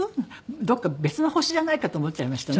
どこか別の星じゃないかと思っちゃいましたね。